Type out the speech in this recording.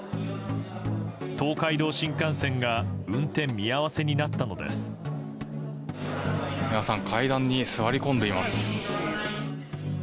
東海道新幹線が運転見合わせになったのです。